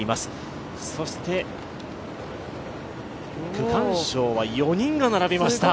区間賞は４人が並びました。